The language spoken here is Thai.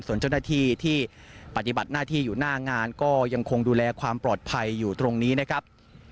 ส่วนเจ้าหน้าที่ที่ปฏิบัติหน้าที่อยู่หน้างานก็ยังคงดูแลความปลอดภัยอยู่ตรงนี้นะครับ